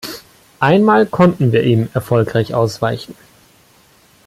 Einmal konnten wir ihm erfolgreich ausweichen.